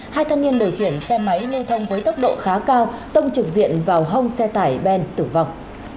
hai thân niên đều khiển xe máy liên thông với tốc độ khá cao tông trực diện vào hông xe tải ben tử vọng